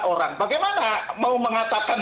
orang bagaimana mau mengatakan